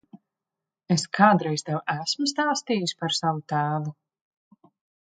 Es kādreiz tev esmu stāstījis par savu tēvu?